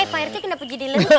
pak rete kenapa jadi lemih